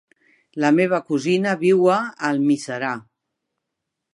La meva cosina viu a Almiserà.